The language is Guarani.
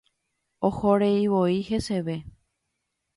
Ohoreivoi heseve.